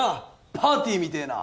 パーティーみてえな！